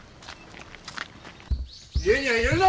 家には入れるな！